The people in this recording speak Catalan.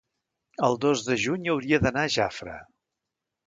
el dos de juny hauria d'anar a Jafre.